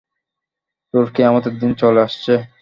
তোর কিয়ামতের দিন চলে আসছে।